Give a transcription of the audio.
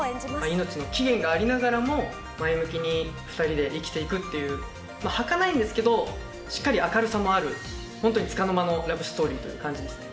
命の期限がありながらも、前向きに２人で生きていくっていう、はかないんですけど、しっかり明るさもある、本当につかの間のラブストーリーという感じですね。